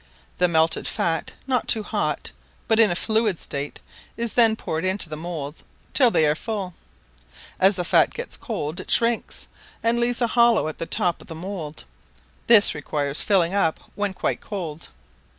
The melted fat, not too hot, but in a fluid state, is then poured into the moulds till they are full; as the fat gets cold it shrinks, and leaves a hollow at the top of the mould: this requires filling up when quite cold.